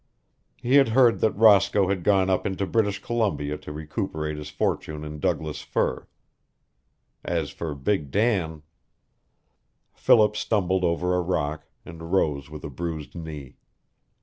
He had heard that Roscoe had gone up into British Columbia to recuperate his fortune in Douglas fir. As for big Dan Philip stumbled over a rock, and rose with a bruised knee.